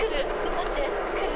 待って、くる？